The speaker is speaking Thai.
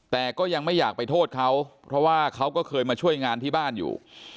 แต่ก็ยังไม่อยากไปโทษเขาเพราะว่าเขาก็เคยมาช่วยงานที่บ้านอยู่